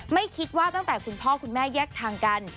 ไม่คิดว่าตั้งแต่คุณพ่อคุณแม่แยกทางกัน